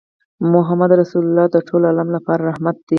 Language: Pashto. محمدُ رَّسول الله د ټول عالم لپاره رحمت دی